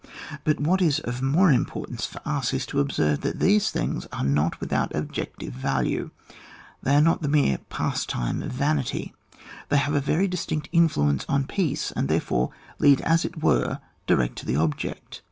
But what is of more importance for us is to observe that these things are not without object ive value, they are not the mere pas time of vanity ; they have a very distinct influence on peace, and therefore lead as it were direct to the object.